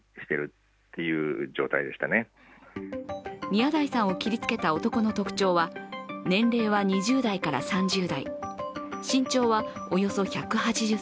宮台さんを切りつけた男の特徴は年齢は２０代から３０代、身長はおよそ１８０ｃｍ。